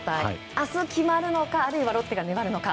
明日、決まるのかあるいはロッテが粘るのか。